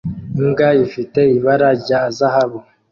Imbwa ifite ibara rya zahabu